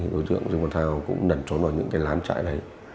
đối tượng dũng út cũng nằn trốn vào những cái lán trại đấy